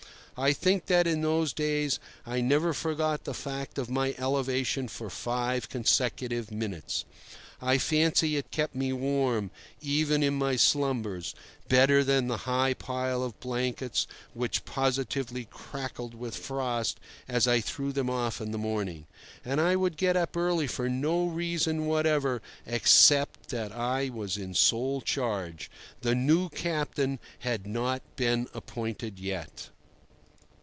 I think that in those days I never forgot the fact of my elevation for five consecutive minutes. I fancy it kept me warm, even in my slumbers, better than the high pile of blankets, which positively crackled with frost as I threw them off in the morning. And I would get up early for no reason whatever except that I was in sole charge. The new captain had not been appointed yet.